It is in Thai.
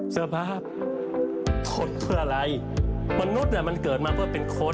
สภาพทนเพื่ออะไรมนุษย์มันเกิดมาเพื่อเป็นคน